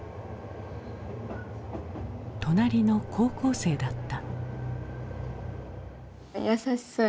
隣の高校生だった。